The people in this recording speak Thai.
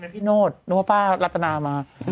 พี่โน้นนิ้วป้ารัตติณามา